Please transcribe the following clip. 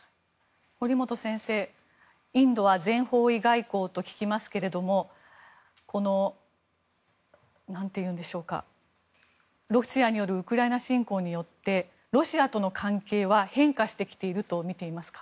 堀本先生、インドは全方位外交と聞きますけどもこの、なんていうんでしょうかロシアによるウクライナ侵攻によってロシアとの関係は変化してきてるとみていますか。